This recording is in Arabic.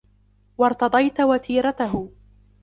وَارْتَضَيْتَ وَتِيرَتَهُ